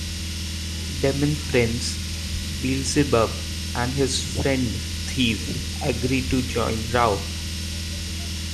Demon prince Beelzebub and his friend Thief agree to join Rao.